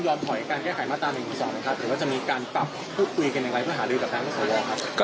หรือว่าจะมีการปรับคุยกันยังไงเพื่อหาเดินกับภักดิ์มันครับ